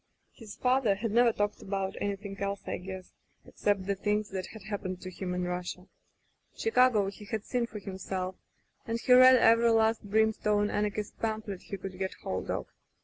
"His father had never talked about any thing else, I guess, except the things that had [ 217 ] Digitized by LjOOQ IC Interventions happened to him in Russia. Chicago he had seen for himself, and he read every last brim stone anarchist pamphlet he could get hold of.